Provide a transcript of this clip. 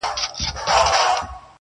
پيکه ښکارم نړۍ ته ستا و ساه ته درېږم~